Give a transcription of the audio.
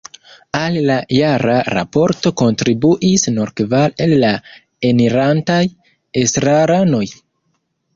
Al la jara raporto kontribuis nur kvar el la elirantaj estraranoj.